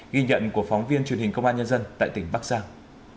ghi nhận của phóng viên truyền hình công an nhân dân tại tỉnh bắc giang